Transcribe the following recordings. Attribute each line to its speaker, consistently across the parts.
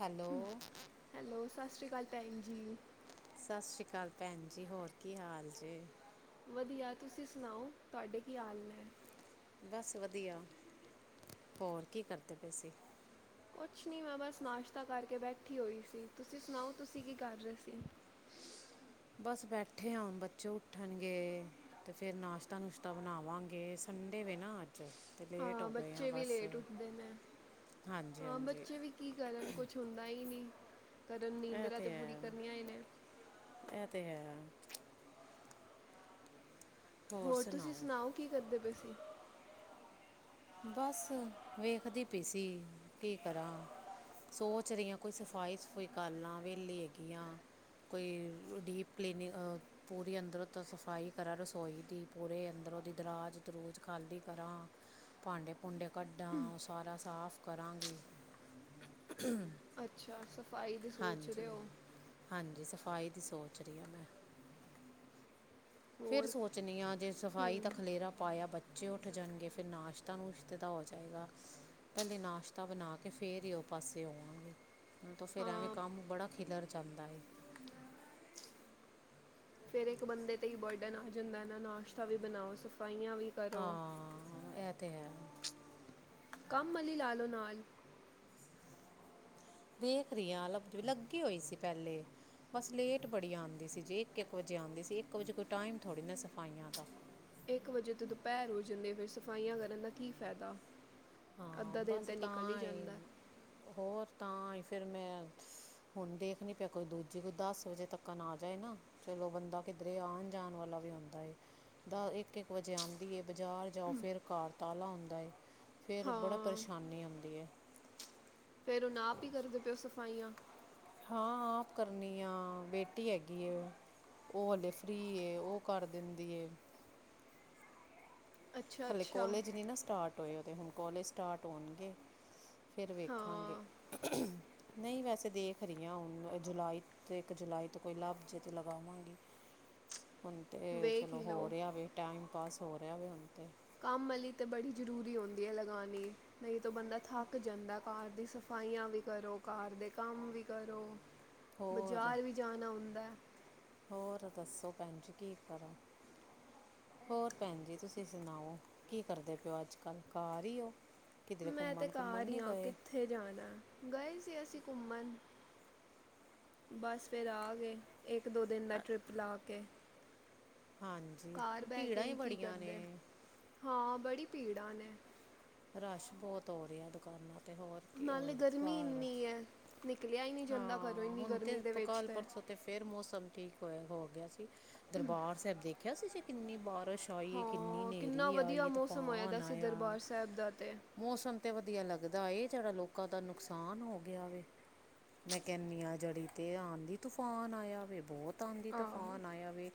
Speaker 1: Hello.
Speaker 2: Hello! ਸਤਿ ਸ਼੍ਰੀ ਅਕਾਲ, ਭੈਣ ਜੀ।
Speaker 1: ਸਤਿ ਸ਼੍ਰੀ ਅਕਾਲ, ਭੈਣ ਜੀ। ਹੋਰ ਕਿ ਹਾਲ ਜੇ?
Speaker 2: ਵਧੀਆ, ਤੁਸੀਂ ਸੁਣਾਓ ਤੁਹਾਡੇ ਕਿ ਹਾਲ ਨੇ?
Speaker 1: ਬਸ ਵਧੀਆ। ਹੋਰ ਕਿ ਕਰਦੇ ਪਏ ਸੀ?
Speaker 2: ਕੁਛ ਨਹੀਂ ਮੈਂ ਬਸ ਨਾਸ਼ਤਾ ਕਰਕੇ ਬੈਠੀ ਹੋਈ ਸੀ, ਤੁਸੀਂ ਸੁਣਾਓ ਤੁਸੀਂ ਕਿ ਕਰ ਰਹੇ ਸੀ?
Speaker 1: ਬਸ ਬੈਠੇ ਆ। ਬੱਚੇ ਉੱਠਣਗੇ। ਤੇ ਫੇਰ ਨਾਸ਼ਤਾ -ਨੁਸ਼ਤਾ ਬਣਾਵਾਗੇ ਸੰਡੇ ਵੇ ਨਾ ਅੱਜ। ਤੇ ਲੇਟ
Speaker 2: ਹਾਂ
Speaker 1: ਹੋ ਗਏ ਆ
Speaker 2: ਬੱਚੇ ਵੀ
Speaker 1: ਬਸ
Speaker 2: ਲੇਟ ਉੱਠਦੇ ਨੇ।
Speaker 1: ਹਾਂਜੀ
Speaker 2: ਹਾਂ
Speaker 1: ਹਾਂਜੀ
Speaker 2: ਬੱਚੇ ਵੀ ਕੀ ਕਰਨ ਕੁਛ। ਹੁੰਦਾ ਹੀ ਨੀ। ਕਰਨ
Speaker 1: ਇਹ
Speaker 2: ਨੀਂਦਰਾ
Speaker 1: ਤਾਂ
Speaker 2: ਤੇ ਪੂਰੀ
Speaker 1: ਹੈ
Speaker 2: ਕਰਨੀਆਂ ਈ ਨੇ
Speaker 1: ਇਹ ਤੇ ਹੈ।
Speaker 2: ਹੋਰ ਤੁਸੀਂ ਸੁਣਾਓ ਕਿ ਕਰਦੇ ਪਏ ਸੀ?
Speaker 1: ਬਸ ਵੇਖਦੀ ਪਈ ਸੀ ਕਿ ਕਰਾਂ? ਸੋਚ ਰਹੀ ਹਾਂ। ਕੋਈ ਸਫ਼ਾਈ- ਸਫੂਈ ਕਰ ਲਾ ਵਹਲੀ ਹੈਗੀਆਂ ਕੋਈ ਡੀਪ ਕਲੀਨਿੰਗ ਅ ਪੂਰੀ ਅੰਦਰੋਂ ਤਾਂ ਸਫਾਈ ਕਰਾਂ ਰਸੋਈ ਦੀ, ਪੂਰੇ ਅੰਦਰ ਉਹਦੀ ਦਰਾਜ ਦਰੂਜ ਖਾਲੀ ਕਰਾਂ। ਭਾਂਡੇ ਭੂੰਡੇ ਕੱਢਾਂ, ਉਹ ਸਾਰਾ ਸਾਫ ਕਰਾਂਗੇ।
Speaker 2: ਅੱਛਾ, ਸਫ਼ਾਈ ਦੀ ਸੋਚ ਰਿਓ।
Speaker 1: ਹਾਂਜੀ, ਸਫ਼ਾਈ ਦੀ ਸੋਚ ਰਹੀ ਆਂ ਮੈਂ। ਫੇਰ
Speaker 2: ਹੋਰ
Speaker 1: ਸੋਚਣੀ ਆ, ਜੇ ਸਫ਼ਾਈ ਤਾਂ
Speaker 2: ਹੂੰ
Speaker 1: ਖਲੇਰਾ ਪਾਇਆ ਬੱਚੇ ਉੱਠ ਜਾਣਗੇ, ਫਿਰ ਨਾਸ਼ ਤਾਨੂੰ ਇਸ ਤੇ ਦਾ ਹੋ ਜਾਏਗਾ, ਪਹਿਲੇ ਨਾਸ਼ਤਾ ਬਣਾ ਕੇ ਫੇਰ ਹੀ ਉਹ ਪਾਸੇ ਹੋਵਾਂਗੇ। ਹੁਣ ਤਾ ਫੇਰ ਐਵੇਂ
Speaker 2: ਹਾਂ
Speaker 1: ਕੰਮ ਬੜਾ ਖਿਲਰ ਜਾਂਦਾ।
Speaker 2: ਫੇਰ ਇੱਕ ਬੰਦੇ ਤੇ ਹੀ ਬਰਡਨ ਆ ਜਾਂਦਾ ਨਾ, ਨਾਸ਼ਤਾ ਵੀ ਬਣਾਓ, ਸਫਾਈਆਂ ਵੀ ਕਰੋ
Speaker 1: ਹਾਂ, ਇਹ ਤੇ ਹੈ।
Speaker 2: ਕੰਮ ਆਲੀ ਲਾ ਲੋ ਨਾਲ।
Speaker 1: ਦੇਖ ਰਹੀ ਆਂ, ਲੱਭ ਲੱਗੀ ਹੋਈ ਸੀ ਪਹਿਲੇ। ਬਸ ਲੇਟ ਬੜੀ ਆਂਦੀ ਸੀ, ਜੇ ਇੱਕ-ਇੱਕ ਵਜੇ ਆਂਦੀ ਸੀ, ਇੱਕ ਵਜੇ ਕੋਈ ਟਾਈਮ ਥੋੜ੍ਹੀ ਨਾ ਸਫਾਈਆਂ ਦਾ।
Speaker 2: ਇੱਕ ਵਜੇ ਤੇ ਦੁਪਹਿਰ ਹੋ ਜਾਂਦੀ ਏ, ਫਿਰ ਸਫਾਈਆਂ ਕਰਨ ਦਾ ਕੀ ਫਾਇਦਾ। ਅੱਧਾ ਦਿਨ ਤਾਂ ਨਿਕਲ ਹੀ ਜਾਂਦਾ।
Speaker 1: ਹੋਰ ਤਾਂਹੀ ਫਿਰ ਮੈਂ ਹੁਣ ਦੇਖ ਨੀ ਪਿਆ ਕੋਈ ਦੂਜੀ, ਕੋਈ ਦਸ ਵਜੇ ਤੱਕ ਨਾ ਆ ਜਾਏ ਨਾ। ਚਲੋ ਬੰਦਾ ਕਿੱਦਰੇ ਆਣ ਜਾਣ ਵਾਲਾ ਵੀ ਹੁੰਦਾ ਏ। ਦਾ ਇੱਕ-ਇੱਕ ਵਜੇ ਆਂਦੀ ਏ, ਬਜ਼ਾਰ ਜਾਓ ਫਿਰ ਘਰ ਤਾਲਾ ਹੰਦਾ ਏ। ਫਿਰ ਬੜਾ ਪਰੇਸ਼ਾਨੀ ਆਉਂਦੀ ਏ।
Speaker 2: ਫੇਰ ਹੁਣ ਆਪ ਹੀ ਕਰਦੇ ਪਏ ਓ ਸਫਾਈਆਂ।
Speaker 1: ਹਾਂ-ਹਾਂ, ਆਪ ਕਰਨੀ ਆ ਬੇਟੀ ਹੈਗੀ ਏ। ਉਹ ਹਲੇ ਫਰੀ ਏ, ਉਹ ਕਰ ਦਿੰਦੀ ਏ।
Speaker 2: ਅੱਛਾ
Speaker 1: ਹਲੇ
Speaker 2: ਅੱਛਾ
Speaker 1: ਕੋਲੇਜ ਨੀ ਨਾ ਸਟਾਟ ਹੋਏ, ਉਹਦੇ ਹੁਣ ਕੋਲਜ ਸਟਾਟ ਹੋਣਗੇ। ਫੇਰ ਵੇਖਾਂਗੇ।
Speaker 2: ਹਾਂ
Speaker 1: ਨਹੀਂ ਵੈਸੇ ਦੇਖ ਰਈ ਆਂ, ਹੁਣ ਜੁਲਾਈ ਤੋਂ ਇੱਕ ਜੁਲਾਈ ਤੋਂ ਕੋਈ ਲੱਭਜੇ ਤੇ ਲਗਾਵਾਂਗੀ। ਹੁਣ ਤੇ
Speaker 2: ਵੇਖ
Speaker 1: ਚਲੋ
Speaker 2: ਹੀ
Speaker 1: ਹੋ
Speaker 2: ਲਓ
Speaker 1: ਰਿਹਾ ਵੇ, ਟੈਮ ਪਾਸ ਹੋ ਰਿਹਾ ਵੇ ਹੁਣ ਤੇ।
Speaker 2: ਕੰਮ ਆਲੀ ਤੇ ਬੜੀ ਜ਼ਰੂਰੀ ਹੁੰਦੀ ਐ ਲਗਾਣੀ, ਨਹੀਂ ਤਾਂ ਬੰਦਾ ਥੱਕ ਜਾਂਦਾ। ਘਰ ਦੀ ਸਫਾਈਆਂ ਵੀ ਕਰੋ, ਘਰ ਦੇ ਕੰਮ ਵੀ ਕਰੋ।
Speaker 1: ਹੋਰ
Speaker 2: ਬਜ਼ਾਰ ਵੀ ਜਾਣਾ ਹੁੰਦਾ।
Speaker 1: ਹੋਰ ਦੱਸੋ ਭੈਣ ਜੀ, ਕੀ ਕਰੋ। ਹੋਰ ਭੈਣ ਜੀ ਤੁਸੀਂ ਸੁਣਾਓ, ਕੀ ਕਰਦੇ ਪਏ ਓ ਅੱਜ-ਕੱਲ ਘਰ ਹੀ। ਕਿਧਰੇ
Speaker 2: ਮੈਂ ਤੇ
Speaker 1: ਘੁੰਮਣ- ਘੁੰਮਣ,
Speaker 2: ਘਰ ਹੀ
Speaker 1: ਨਹੀਂ
Speaker 2: ਹਾਂ
Speaker 1: ਗਏ।
Speaker 2: ਕਿੱਥੇ ਜਾਣਾ, ਗਏ ਸੀ ਅਸੀਂ ਘੁੰਮਣ। ਬਸ ਫਿਰ ਆ ਗਏ, ਇੱਕ- ਦੋ ਦਿਨ ਦਾ ਟ੍ਰਿਪ ਲਾ ਕੇ।
Speaker 1: ਹਾਂਜੀ,
Speaker 2: ਕਾਰ ਬਹਿ ਕੇ
Speaker 1: ਭੀੜਾਂ ਹੀ
Speaker 2: ਵੀ ਕੀ
Speaker 1: ਬੜੀਆਂ ਨੇ।
Speaker 2: ਕਰਦੇ ਹਾਂ, ਬੜੀ ਭੀੜਾਂ ਨੇ।
Speaker 1: ਰਸ਼ ਬਹੁਤ ਹੋ ਰਿਹਾ ਦੁਕਾਨਾਂ ਤੇ ਹੋਰ ਕੀ
Speaker 2: ਨਾਲੇ
Speaker 1: ਹੁਣ,
Speaker 2: ਗਰਮੀ
Speaker 1: ਬਾਹਰ
Speaker 2: ਇੰਨੀ ਹੈ ਨਿਕਲਿਆ ਹੀ ਨਹੀਂ ਜਾਂਦਾ ਘਰੋਂ
Speaker 1: ਹਾਂ
Speaker 2: ਇੰਨੀ
Speaker 1: ਹੁਣ ਤੇ
Speaker 2: ਗਰਮੀ ਦੇ ਵਿੱਚ
Speaker 1: ਕੱਲ-ਪਰਸੋਂ ਤੇ ਫਿਰ ਮੌਸਮ ਠੀਕ ਹੋਇਆ ਹੋ ਗਿਆ ਸੀ।, ਦਰਬਾਰ ਸਾਹਿਬ ਦੇਖਿਆ ਸੀ ਤੁਸੀਂ ਕਿੰਨੀ ਬਾਰਿਸ਼ ਆਈ ਏ, ਕਿੰਨੀ
Speaker 2: ਹਾਂ
Speaker 1: ਨੇਰੀ ਆਈ ਏ, ਤੂਫਾਨ ਆਇਆ।
Speaker 2: ਸਾਹਿਬਜਾਦੇ
Speaker 1: ਮੌਸਮ ਤੇ ਵਧੀਆ ਲੱਗਦਾ ਏ, ਜਿਹੜਾ ਲੋਕਾਂ ਦਾ ਨੁਕਸਾਨ ਹੋ ਗਿਆ ਵੇ। ਮੈ ਕਹਿੰਨੀ ਆ ਜਦ ਵੀ ਆਂਧੀ ਤੂਫਾਨ ਆਇਆ ਵੇ, ਬਹੁਤ ਆਂਧੀ
Speaker 2: ਆਹੋ
Speaker 1: ਤੂਫਾਨ ਆਇਆ ਵੇ।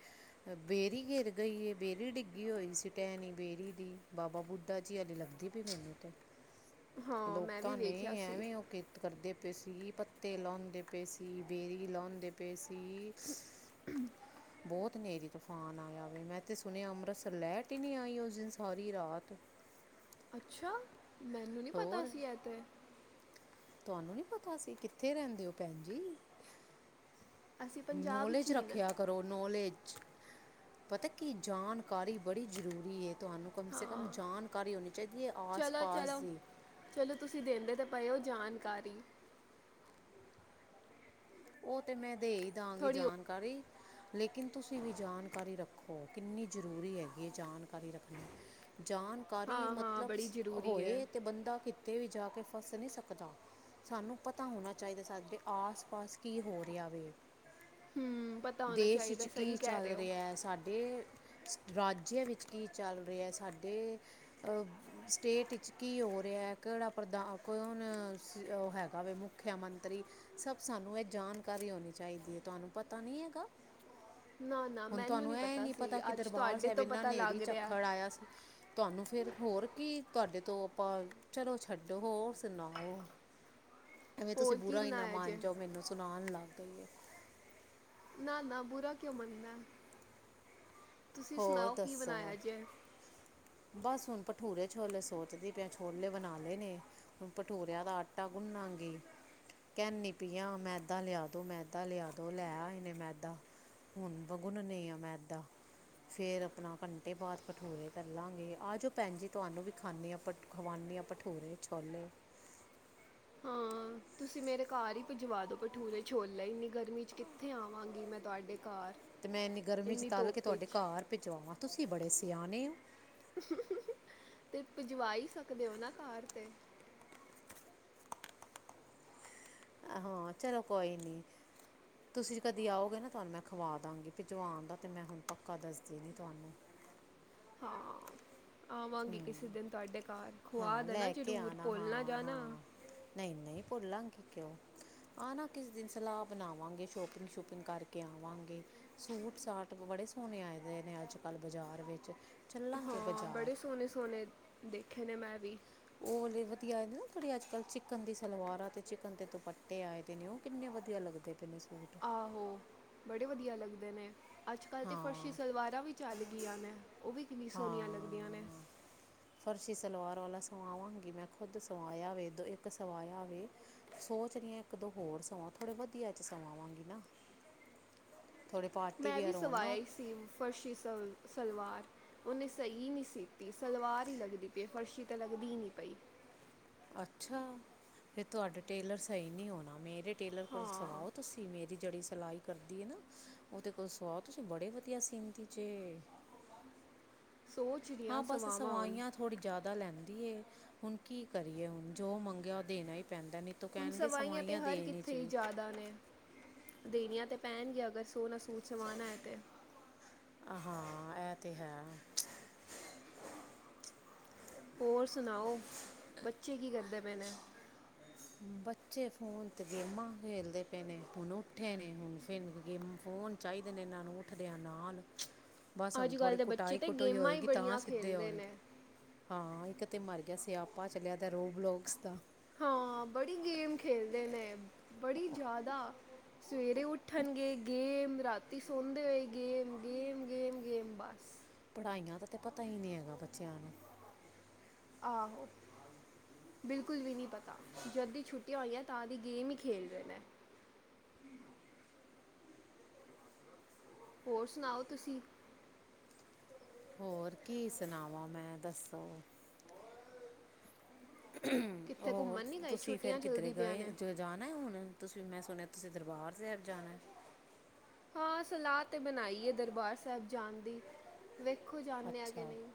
Speaker 1: ਬੇਰੀ ਗਿਰ ਗਈ ਏ, ਬੇਰੀ ਡਿੱਗੀ ਹੋਈ ਸੀ, ਟੈਹਣੀ ਬੇਰੀ ਦੀ, ਬਾਬਾ ਬੁੱਢਾ ਜੀ ਆਲੀ ਲੱਦੀ ਤੇ ਮੈਨੂੰ ਤੇ,
Speaker 2: ਹਾਂ ਮੈਂ ਵੀ
Speaker 1: ਲੋਕਾਂ ਨੇ
Speaker 2: ਵੇਖਿਆ ਸੀ
Speaker 1: ਐਵੇਂ ਉਹ ਕੀ ਕਰਦੇ ਪਏ ਸੀ, ਪੱਤੇ ਲਾਉਂਦੇ ਪਏ ਸੀ, ਬੇਰੀ ਲਾਉਂਦੇ ਪਏ ਸੀ। ਬਹੁਤ ਨੇਰੀ ਤੂਫਾਨ ਆਇਆ ਵਾ, ਮੈਂ ਤੇ ਸੁਣਿਆ ਅੰਮ੍ਰਿਤਸਰ ਲੈਟ ਹੀ ਨੀ ਆਈ, ਉਸ ਦਿਨ ਸਾਰੀ ਰਾਤ।
Speaker 2: ਅੱਛਾ, ਮੈਨੂੰ ਨੀ ਪਤਾ
Speaker 1: ਹੋਰ
Speaker 2: ਸੀ ਇਹ ਤੇ।
Speaker 1: ਤੁਹਾਨੂੰ ਨੀ ਪਤਾ ਸੀ, ਕਿੱਥੇ ਰਹਿੰਦੇ ਹੋ ਭੈਣ ਜੀ।
Speaker 2: ਅਸੀਂ ਪੰਜਾਬ ਵਿੱਚ
Speaker 1: ਨੋਲੇਜ
Speaker 2: ਨਹੀਂ ਨਾ
Speaker 1: ਰੱਖਿਆ ਨੌਲੇਜ ਪਤਾ ਕੀ ਜਾਣਕਾਰੀ ਬੜੀ ਜ਼ਰੂਰੀ ਹੈ। ਤੁਹਾਨੂੰ ਕਮ ਸੇ ਕਮ
Speaker 2: ਹਾਂ
Speaker 1: ਜਾਣਕਾਰੀ ਹੋਣੀ ਚਾਹੀਦੀ ਹੈ
Speaker 2: ਚਲੋ
Speaker 1: ਆਸ-ਪਾਸ
Speaker 2: ਚਲੋ
Speaker 1: ਦੀ।
Speaker 2: ਚਲੋ ਤੁਸੀਂ ਦਿੰਦੇ ਤਾਂ ਪਏ ਹੋ ਜਾਣਕਾਰੀ।
Speaker 1: ਉਹ ਤਾਂ ਮੈਂ ਦੇ ਹੀ ਦਾਗੀ
Speaker 2: ਥੋੜੀ
Speaker 1: ਜਾਣਕਾਰੀ। ਲੇਕਿਨ ਤੁਸੀਂ ਵੀ ਜਾਣਕਾਰੀ ਰੱਖੋ ਕਿੰਨੀ ਜ਼ਰੂਰੀ ਹੈਗੀ ਹੈ ਜਾਣਕਾਰੀ ਰੱਖਣੀ। ਜਾਣਕਾਰੀ
Speaker 2: ਹਾਂ ਹਾਂ
Speaker 1: ਮਤਲਬ
Speaker 2: ਬੜੀ ਜ਼ਰੂਰੀ ਹੈ
Speaker 1: ਹੋਏ ਤੇ ਬੰਦਾ ਤੇ ਵੀ ਜਾ ਕੇ ਫਸ ਨੀ ਸਕਦਾ ਸਾਨੂੰ ਪਤਾ ਹੋਣਾ ਚਾਹੀਦਾ ਸਾ ਵੀ ਆਸ-ਪਾਸ ਕੀ ਹੋ ਰਿਹਾ ਵੇ
Speaker 2: ਹੂੰ ਪਤਾ ਹੋਣਾ
Speaker 1: ਦੇਸ਼
Speaker 2: ਚਾਹੀਦਾ
Speaker 1: ਚ ਕੀ
Speaker 2: ਸਹੀ ਕਹਿ
Speaker 1: ਚੱਲ
Speaker 2: ਰਹੇ ਹੋ
Speaker 1: ਰਿਹਾ ਸਾਡੇ ਰਾਜਿਆ ਵਿੱਚ ਕੀ ਚੱਲ ਰਿਹਾ ਸਾਡੇ ਅਹ ਸਟੇਟ ਇਚ ਕੀ ਹੋ ਰਿਹਾ ਕਿਹੜਾ ਪ੍ਰਧਾਨ ਕੌਣ ਉਹ ਹੈਗਾ ਵ ਮੁੱਖਿਆ ਮੰਤਰੀ ਸਭ ਸਾਨੂੰ ਇਹ ਜਾਣਕਾਰੀ ਹੋਣੀ ਚਾਹੀਦੀ ਏ ਤੁਹਾਨੂੰ ਪਤਾ ਨੀ ਹੈਗਾ?
Speaker 2: ਨਾ ਨਾ
Speaker 1: ਹੁਣ
Speaker 2: ਮੈਨੂੰ
Speaker 1: ਤੁਹਾਨੂੰ
Speaker 2: ਨਹੀਂ
Speaker 1: ਐਹ ਨੀ
Speaker 2: ਸੀ
Speaker 1: ਪਤਾ ਕਿ
Speaker 2: ਅੱਜ
Speaker 1: ਦਰਬਾਰ
Speaker 2: ਤੁਹਾਡੇ
Speaker 1: ਸਾਹਿਬ
Speaker 2: ਤੋਂ
Speaker 1: ਏਨਾਂ
Speaker 2: ਪਤਾ
Speaker 1: ਨ੍ਹੇਰੀ
Speaker 2: ਲੱਗ ਰਿਹਾ
Speaker 1: ਝਖੱੜ ਆਇਆ ਸੀ। ਤੁਹਾਨੂੰ ਫਿਰ ਹੋਰ ਕੀ ਤੁਹਾਡੇ ਤੋ ਆਪਾਂ ਚਲੋ ਛੱਡੋ ਹੋਰ ਸੁਣਾਓ, ਐਵੇਂ ਤੁਸੀਂ
Speaker 2: ਹੋਰ ਕੀ
Speaker 1: ਬੁਰਾ ਈ ਨਾ
Speaker 2: ਬਣਾਇਆ
Speaker 1: ਮਾਨ
Speaker 2: ਜੇ
Speaker 1: ਜਾਓ ਮੈਨੂੰ ਸੁਣਾਉਣ ਲੱਗ ਗਈ।
Speaker 2: ਨਾ-ਨਾ ਬੁਰਾ ਕਿਉਂ ਮੰਨਨਾ ਤੁਸੀਂ
Speaker 1: ਹੋਰ
Speaker 2: ਸੁਣਾਓ ਕੀ
Speaker 1: ਦੱਸੋ
Speaker 2: ਬਣਾਇਆ ਜੇ?
Speaker 1: ਬਸ ਹੁਣ ਭਟੂਰੇ-ਛੋਲੇ ਸੋਚਦੀ ਪਈ ਆ, ਛੋਲੇ ਬਣਾ ਲੈ ਨੇ। ਭਟੂਰਿਆਂ ਦਾ ਆਟਾ ਗੁਨਾਗੀ। ਕਹਿੰਨੀ ਪਈ ਆ ਮੈਦਾ ਲਿਆ ਦੋ, ਮੈਦਾ ਲਿਆ ਦੋ ਲੈ ਆਏ ਨੇ ਮੈਦਾ। ਹੁਣ ਮੈਂ ਗੁਣਨੀ ਆ ਮੈਦਾ। ਫਿਰ ਆਪਣਾ ਘੰਟੇ ਬਾਅਦ ਭਟੂਰੇ ਤਲਾਂਗੇ ਆ ਜਾਓ ਭੈਣ ਜੀ ਤੁਹਾਨੂੰ ਵੀ ਖਾਨੀਂ ਹਾ ਭਟ ਖਵਾਨੀ ਆਂ ਭਟੂਰੇ-ਛੋਲੇ।
Speaker 2: ਹਾਂ
Speaker 1: ਹੂੰ।
Speaker 2: ਤੁਸੀਂ ਮੇਰੇ ਘਰ ਹੀ ਭਿਜਵਾ ਦੋ ਭਟੂਰੇ -ਛੋਲੈ ਇੰਨੀ ਗਰਮੀ ਚ ਕਿੱਥੇ ਆਵਾਂਗੀ ਮੈਂ ਤੁਹਾਡੇ ਘਰ।
Speaker 1: ਤੇ ਮੈਂ ਇੰਨੀ ਗਰਮੀ ਚ ਤਲ ਕੇ
Speaker 2: ਧੁੱਪ
Speaker 1: ਤੁਹਾਡੇ
Speaker 2: ਵਿੱਚ
Speaker 1: ਘਰ ਭਿਜਵਾਵਾਂ ਤੁਸੀਂ ਬੜੇ ਸਿਆਣੇ ਹੋ।
Speaker 2: ਤੇ ਭਿਜਵਾ ਹੀ ਸਕਦੇ ਹੋ ਨਾ ਘਰ ਤੇ।
Speaker 1: ਆਹ, ਚਲੋ ਕੋਈ ਨੀ। ਤੁਸੀਂ ਕਦੀ ਆਓਗੇ ਨਾ ਤੁਹਾਨੂੰ ਮੈਂ ਖਵਾਦਾਂਗੀ ਭਿਜਵਾਨ ਦਾ ਤੇ ਮੈਂ ਪੱਕਾ ਦੱਸਦੀ ਨੀ ਤੁਹਾਨੂੰ।
Speaker 2: ਹਾਂ। ਆਵਾਂਗੀ ਕਿਸੇ ਦਿਨ ਤੁਹਾਡੇ ਘਰ ਖੁਵਾ
Speaker 1: ਹਾਂ
Speaker 2: ਦੇਨਾ ਜਰੂਰ ਭੁੱਲ ਨਾ ਜਾਣਾ।
Speaker 1: ਨਹੀ-ਨਹੀ ਭੁੱਲਾਂਗੀ ਕਿਉਂ। ਆਨਾ ਕਿਸੇ ਦਿਨ ਸਲਾਹ ਬਣਾਵਾਂਗੇ ਸ਼ੋਪਿੰਗ-ਸ਼ੂਪਿੰਗ ਕਰਕੇ ਆਵਾਂਗੇ। ਸੂਟ-ਸਾਟ ਬੜੇ ਸੋਹਣੇ ਆਂਏ ਦੇ ਨੇ ਅੱਜ- ਕੱਲ੍ਹ ਬਜ਼ਾਰ ਵਿੱਚ ਚੱਲਾਂਗੇ ਬਜ਼ਾਰ।
Speaker 2: ਸੋਣੇੇ-ਸੋਣੇ ਦੇਖੇ ਨੇ ਮੈਂ ਵੀ।
Speaker 1: ਉਹ ਵਲੇ ਵਧੀਆ ਆਏ ਦੇ ਨਾ ਜਿਹੜੇ ਅੱਜ-ਕੱਲ ਚਿਕਨ ਦੀ ਸਲਵਾਰਾਂ ਅਤੇ ਚਿਕਨ ਦੇ ਦੁਪੱਟੇ ਆਏ ਦੇ ਨੇ ਉਹ ਕਿੰਨੇ ਵਧੀਆ ਲੱਗਦੇ। ਕਿੰਨੇ ਸ
Speaker 2: ਆਹੋ ਬੜੇ ਵਧੀਆ ਲੱਗਦੇ ਨੇ। ਅੱਜ ਕੱਲ ਤਾਂ ਫਰਸ਼ੀ
Speaker 1: ਹਾਂ
Speaker 2: ਸਲਵਾਰਾਂ ਵੀ ਚੱਲ ਗਈਆਂ ਨੇ ਉਹ ਵੀ ਕਿੰਨੀਆਂ ਸੋਹਣੀਆਂ ਲੱਗਦੀਆਂ ਨੇ।
Speaker 1: ਹਾਂ ਫਰਸ਼ੀ ਸਲਵਾਰ ਵਾਲਾ ਸਵਾਵਾਂਗੀ ਮੈਂ ਖੁਦ ਸਵਾਇਆ ਵੈ ਦੋ ਇੱਕ ਸਵਾਇਆ ਵੈ। ਸੋਚ ਰਹੀ ਹ ਇੱਕ, ਦੋ ਹੋਰ ਸਵਾ ਥੋੜੇ ਵਧੀਆ ਚ ਸਵਾਵਾਂਗੀ ਨਾ। ਥੋੜ੍ਹੇ ਪਾਰਟੀ
Speaker 2: ਮੈਂ ਵੀ
Speaker 1: ਵੀਅਰ ਹੋਣ
Speaker 2: ਸਵਾਇਆ
Speaker 1: ਨਾ
Speaker 2: ਹੀ ਸੀ ਫਰਸ਼ੀ ਸਲ ਸਲਵਾਰ। ਉਹਨੇ ਸਹੀ ਨੀ ਸੀਤੀ ਸਲਵਾਰ ਹੀ ਲੱਗਦੀ ਪਈ ਫਰਸ਼ੀ ਤਾ ਲੱਗਦੀ ਨੀ ਪਈ।
Speaker 1: ਅੱਛਾ ਫਿਰ ਤੁਹਾਡਾ ਟੇਲਰ ਸਹੀ ਨੀ ਹੋਣਾ ਮੇਰੇ ਟੇਲਰ ਕੋਲ
Speaker 2: ਹਾਂ
Speaker 1: ਸਵਾਓ ਤੁਸੀ ਮੇਰੀ ਜਿਹੜੀ ਸਿਲਾਈ ਕਰਦੀ ਏ ਨਾ ਉਹਦੇ ਕੋਲ ਸਵਾਉ ਤੁਸੀ ਬੜੇ ਵਧੀਆ ਸੀਂਦੀ ਜੇ।
Speaker 2: ਸੋਚ
Speaker 1: ਹਾਂ
Speaker 2: ਰਹੀਆਂ
Speaker 1: ਬੱਸ
Speaker 2: ਸਵਾਵਾਂ ਹੁਣ
Speaker 1: ਸਵਾਈਆ ਥੋੜ੍ਹੀ ਜਾਦਾ ਲੈਂਦੀ ਏ ਹੁਣ ਕੀ ਕਰੀਏ ਹੁਣ ਜੋ ਮੰਗਿਆ ਉਹ ਦੇਣਾ ਹੀ ਪੈਂਦਾ ਨਹੀ
Speaker 2: ਹੁਣ ਸਵਾਈਆਂ ਤੇ ਹਰ ਕਿੱਥੇ ਹੀ ਜਾਦਾ ਨੇ। ਦੇਨੀਆ ਤੇ ਪੈਣਗੀਆ ਅਗਰ ਸੋਣਾ ਸੂਟ ਸਵਾਨਾ ਐ ਤੇ।
Speaker 1: ਆ ਹਾਂ, ਐਹ ਤੇ ਹੈ।
Speaker 2: ਹੋਰ ਸੁਣਾਓ, ਬੱਚੇ ਕੀ ਕਰਦੇ ਪਏ ਨੇ?
Speaker 1: ਬੱਚੇ ਫੋਨ ਤੇ ਗੇਮਾਂ ਖੇਲਦੇ ਪਏ ਨੇ। ਹੁਣ ਉੱਠੇ ਨੇ, ਫਿਰ ਗੇਮ, ਫੋਨ। ਚਾਈਦੇ ਨੇ, ਇਨਾਂ ਨੂੰ ਉੱਠਦਿਆਂ ਨਾਲ। ਬਸ ਹੁਣ
Speaker 2: ਅੱਜ
Speaker 1: ਥੋੜ੍ਹੀ
Speaker 2: ਕੱਲ੍ਹ ਦੇ ਬੱਚੇ
Speaker 1: ਕੁਟਾਈ -
Speaker 2: ਤੇ
Speaker 1: ਕੁਟੂਈ
Speaker 2: ਗੇਮਾਂ ਹੀ
Speaker 1: ਹੋਏਗੀ ਤਾਂ
Speaker 2: ਬੜੀਆਂ
Speaker 1: ਸਿੱਧੇ
Speaker 2: ਖੇਲਦੇ
Speaker 1: ਹੋਣਗੇ।
Speaker 2: ਨੇ
Speaker 1: ਹਾਂ, ਇੱਕ ਤੇ ਮਰ ਗਿਆ ਸਿਆਪਾਂ ਚੱਲੇ ਆਂ ਤੇ ਰੋਡ ਬਲੋਕ, ਸਿੱਧਾ।
Speaker 2: ਹਾਂ, ਬੜੀ ਗੇਮ ਖੇਲਦੇ ਨੇ, ਬੜੀ ਜ਼ਿਆਦਾ। ਸਵੇਰੇ ਉੱਠਣਗੇ ਗੇਮ। ਰਾਤੀ ਸੌਦੇ ਹੋਏ ਗੇਮ। ਗੇਮ, ਗੇਮ, ਗੇਮ, ਬਸ।
Speaker 1: ਪੜ੍ਹਾਈਆਂ ਦਾ ਤੇ ਪਤਾ ਹੀ ਨਹੀ ਹੈਗਾ ਬੱਚਿਆਂ ਨੂੰ।
Speaker 2: ਆਹੋ। ਬਿਲਕੁਲ ਵੀ ਨਹੀਂ ਪਤਾ ਜਦ ਦੀ ਛੁੱਟੀਆਂ ਹੋਈਆਂ ਤਾਂ ਦੀ ਗੇਮ ਹੀ ਖੇਲ ਰਹੇ ਨੇ। ਹੋਰ ਸੁਣਾਓ ਤੁਸੀਂ।
Speaker 1: ਹੋਰ ਕੀ ਸੁਣਾਵਾਂ ਮੈਂ ਦੱਸੋ? ਹ
Speaker 2: ਕਿੱਥੇ
Speaker 1: ਹੋਰ
Speaker 2: ਘੁੰਮਣ ਨਹੀਂ ਗਏ
Speaker 1: ਤੁਸੀਂ ਫੇਰ
Speaker 2: ਛੁੱਟੀਆਂ
Speaker 1: ਕਿੱਧਰੇ
Speaker 2: ਚਲਦੀ ਪਈਆਂ
Speaker 1: ਗਏ
Speaker 2: ਨੇ
Speaker 1: ਜ। ਜਾਣਾ ਹੁਣ ਤੁਸੀਂ ਮੈਂ ਸੁਣਿਆ ਤੁਸੀਂ ਦਰਬਾਰ ਸੈਬ ਜਾਣਾ।
Speaker 2: ਹਾਂ ਸਲਾਹ ਤੇ ਬਣਾਈ ਹੈ ਦਰਬਾਰ ਸਾਹਿਬ ਜਾਣ ਦੀ ਵੇਖੋ ਜਾਂਦੇ ਆ ਕਿ
Speaker 1: ਅੱਛਾ
Speaker 2: ਨਹੀਂ।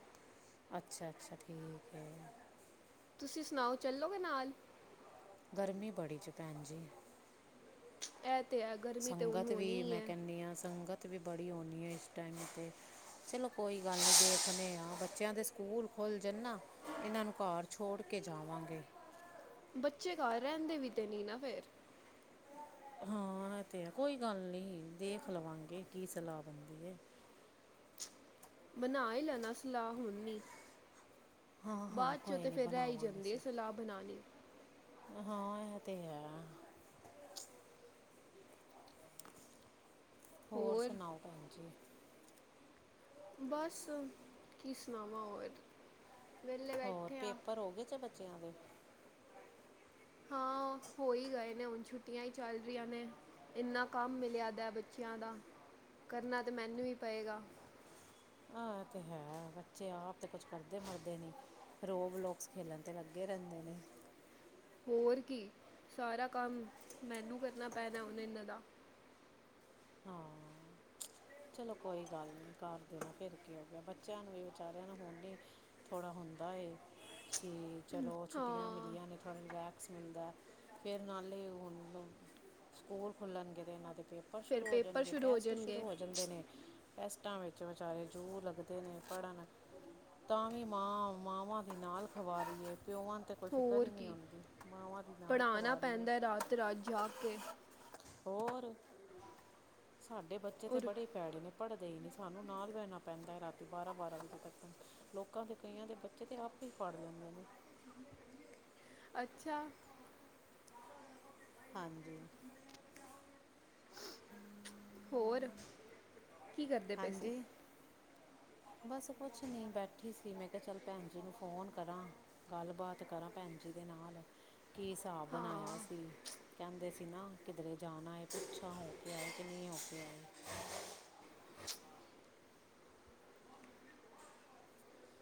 Speaker 1: ਅੱਛਾ ਅੱਛਾ ਠੀਕ ਹੈ।
Speaker 2: ਤੁਸੀਂ ਸੁਣਾਓ ਚੱਲੋਗੇ ਨਾਲ।
Speaker 1: ਗਰਮੀ ਬੜੀ 'ਚ ਭੈਣ ਜੀ।
Speaker 2: ਇਹ ਤਾਂ ਹੈ ਗਰਮੀ ਤਾਂ ਹੁਣ
Speaker 1: ਸੰਗਤ
Speaker 2: ਹੋਣੀ
Speaker 1: ਵੀ
Speaker 2: ਹੀ
Speaker 1: ਮੈਂ
Speaker 2: ਹੈ
Speaker 1: ਕਹਿੰਦੀ ਹਾਂ ਸੰਗਤ। ਵੀ ਬੜੀ ਹੋਣੀ ਆ ਇਸ ਟਾਈਮ ਤੇ ਚਲੋ ਕੋਈ ਗੱਲ ਨਹੀਂ ਦੇਖਦੇ ਹਾਂ ਬੱਚਿਆਂ ਦੇ ਸਕੂਲ। ਖੁੱਲ ਜਾਂਦਾ ਇਹਨਾਂ ਨੂੰ ਘਰ ਛੋੜ ਕੇ ਜਾਵਾਂਗੇ।
Speaker 2: ਬੱਚੇ ਘਰ ਰੈਂਦੇ ਵੀ ਤੇ ਨਹੀਂ ਨਾ ਫਿਰ।
Speaker 1: ਹਾਂ ਇਹ ਤੇ ਹੈ ਕੋਈ ਗੱਲ ਨੀ ਦੇਖ ਲਵਾਂਗੇ ਕੀ ਸਲਾਹ ਬੰਦੀ ਹੈ।
Speaker 2: ਬਨਾ ਹੀ ਲੈਣਾ ਸਲਾਹ ਹੁਣ ਨੀ।
Speaker 1: ਹਾਂ ਹਾਂ
Speaker 2: ਬਾਅਦ ਚੋਂ
Speaker 1: ਕੋਈ
Speaker 2: ਤਾਂ
Speaker 1: ਨਹੀਂ
Speaker 2: ਫਿਰ ਰਹਿਈ
Speaker 1: ਬਣਾਵਾਂਗੇ
Speaker 2: ਜਾਂਦੇ
Speaker 1: ਸਰ
Speaker 2: ਸਲਾਹ ਬਣਾਣੀ।
Speaker 1: ਹਾਂ ਇਹ ਤੇ ਹੈ। ਹੋਰ ਸੁਣਾਓ ਭੈਣ ਜੀ।
Speaker 2: ਬਸ ਕੀ ਸੁਣਾਵਾਂ ਹੋਰ। ਵਿਹਲੇ
Speaker 1: ਹੋਰ
Speaker 2: ਬੈਠੇ ਆ
Speaker 1: ਪੇਪਰ ਹੋ ਗਏ ਚ ਬੱਚਿਆਂ ਦੇ।
Speaker 2: ਹਾਂ ਹੋ ਹੀ ਗਏ ਨੇ ਹੁਣ ਛੁੱਟੀਆਂ ਹੀ ਚੱਲ ਰਹੀਆਂ ਨੇ। ਇੰਨਾ ਕੰਮ ਮਿਲਿਆ ਦਾ ਬੱਚਿਆਂ ਦਾ ਕਰਨਾ ਤੇ ਮੈਨੂੰ ਹੀ ਪਏਗਾ।
Speaker 1: ਆ ਤੇ ਹੈ। ਬੱਚੇ ਆਪ ਤੇ ਕੁਛ ਕਰਦੇ ਮਰਦੇ ਨੀ ਰੋਬਲੋਕਸ ਖੇਲਣ ਤੇ ਲੱਗੇ ਰੈਂਦੇ ਨੇ।
Speaker 2: ਹੋਰ ਕੀ ਸਾਰਾ ਕੰਮ ਮੈਨੂੰ ਕਰਨਾ ਪੈਣਾ ਹੁਨੇ ਇਹਨਾਂ ਦਾ
Speaker 1: ਹਾਂ ਚਲੋ ਕੋਈ ਗੱਲ ਨੀ ਕਰ ਦੇਣਾ ਫਿਰ ਕੀ ਹੋ ਗਿਆ ਬੱਚਿਆਂ ਨੂੰ ਵੀ ਵਿਚਾਰਿਆਂ ਨੂੰ ਹੁਣ ਨ ਥੋੜ੍ਹਾ ਹੁੰਦਾ ਕਿ ਚਲੋ ਛੁੱਟੀਆਂ ਮਿਲੀਆ
Speaker 2: ਹਾਂ
Speaker 1: ਜਾ ਨੇ ਥੋੜ੍ਹਾ ਰਿਲੈਕਸ ਮਿਲਦਾ ਫਿਰ ਨਾਲੇ ਹੁਣ ਸਕੂਲ ਖੁੱਲਣਗੇ ਤਾਂ ਇਹਨਾਂ ਦੇ ਪੇਪਰ
Speaker 2: ਫਿਰ ਪੇਪਰ ਸ਼ੁਰੂ ਹੋ ਜਾਣਗੇ
Speaker 1: ਜਦੇ ਨੇ ਟੈਸਟਾਂ ਵਿੱਚ ਬਚਾਰੇ ਜੂ ਲੱਗਦੇ ਨੇ ਪੜ੍ਹਨ ਤਾਂ ਵੀ ਮਾਂ ਮਾਵਾਂ ਦੀ ਨਾਲ ਖਵਾਰੀਏ ਪਿਓਆ ਤੇ ਕੋਈ ਫਿਕਰ ਹੀ
Speaker 2: ਹੋਰ
Speaker 1: ਨਹੀਂ
Speaker 2: ਕੀ
Speaker 1: ਹੋਂਦੀ ਮਾਵਾਂ ਦੀ ਨਾਲ
Speaker 2: ਪੜ੍ਹਾਉਣਾ
Speaker 1: ਖਵਾਰੀ ਹੈ।
Speaker 2: ਪੈਂਦਾ ਰਾਤ ਰਾਤ ਜਾਗ ਕੇ
Speaker 1: ਹੋਰ। ਸਾਡੇ ਬੱਚੇ ਤਾਂ
Speaker 2: ਔਰ
Speaker 1: ਬੜੇ ਹੀ ਪੈੜੇ ਨੇ ਪੜ੍ਹਦੇ ਹੀ ਨਹੀਂ ਸਾਨੂੰ ਨਾਲ ਦ ਬੈਣਾ ਪੈਂਦਾ ਰਾਤੀ ਬਾਰਾਂ ਬਾਰਾਂ ਵਜੇ ਤੱਕ। ਲੋਕਾਂ ਦੇ ਕਈਆਂ ਦੇ ਬੱਚੇ ਤੇ ਆਪੇ ਹੀ ਪੜ ਲੈਦੇ ਨੇ।
Speaker 2: ਅੱਛਾ।
Speaker 1: ਹਾਂਜੀ।
Speaker 2: ਹੋਰ ਕੀ ਕਰਦੇ ਪਏ ਸੀ।
Speaker 1: ਹਾਂਜੀ ਬਸ ਕੁੱਛ ਨੀ ਬੈਠੀ ਸੀ ਮੈਂ ਕਿਹਾ ਚੱਲ ਭੈਣ ਜੀ ਨੂੰ ਫੋਨ ਕਰਾਂ। ਗੱਲਬਾਤ ਕਰਾਂ ਭੈਣ ਜੀ ਦੇ ਨਾਲ ਕੀ ਹਿਸਾਬ ਬਣਾਇਆ
Speaker 2: ਹਾਂ
Speaker 1: ਸੀ ਕਹਿੰਦੇ ਸੀ। ਸੀ ਨਾ ਕਿਧਰੇ ਜਾਣਾ ਹੈ ਪੁੱਛਾਂ ਹੋ ਕੇ ਆਏ ਕਿ ਨਹੀਂ ਹੋ ਕੇ ਆਏ।
Speaker 2: [unintelligible]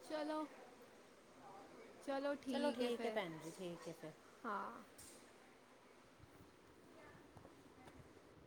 Speaker 2: ਚਲੋ ਚਲੋ ਠੀਕ ਏ
Speaker 1: ਹੈ
Speaker 2: ਫਿਰ
Speaker 1: ਭੈਣ ਜੀ ਠੀਕ ਹੈ ਫਿਰ
Speaker 2: ਹਾਂ।